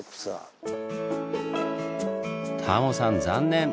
タモさん残念！